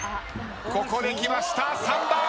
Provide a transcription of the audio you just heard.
ここできました３番。